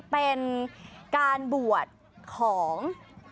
เป็นการบวชของ